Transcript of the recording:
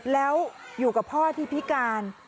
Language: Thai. แล้วอยู่กับพ่อที่พิการ